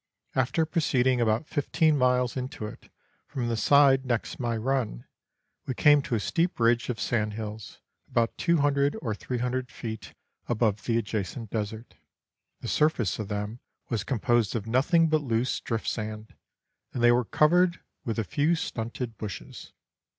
After proceeding about fifteen miles into it from the side next my run, we came to a steep ridge of sand hills, about 200 or 300 feet above the adjacent desert. The surface of them was composed of nothing but loose drift sand, and they were covered with a few stunted bushes.